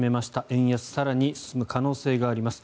円安が更に進む可能性があります。